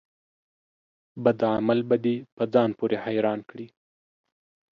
بد عمل به دي په ځان پوري حيران کړي